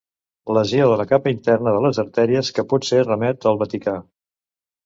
Lesió de la capa interna de les artèries que potser remet al Vaticà.